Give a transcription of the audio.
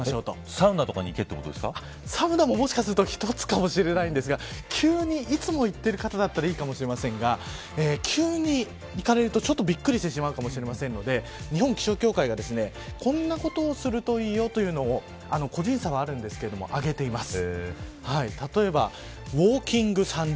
サウナとかに行けといサウナも、もしかしたら一つかもしれませんがいつも行ってる方だったらいいかもしれませんが急に行かれると、ちょっとびっくりしてしまうかもしれないので日本気象協会が、こんなことをするといいよというのを個人差はあるんですけど挙げています。